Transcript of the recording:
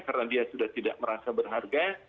karena dia sudah tidak merasa berharga